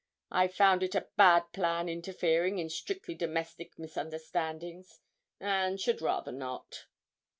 I've found it a bad plan interfering in strictly domestic misunderstandings, and should rather not.'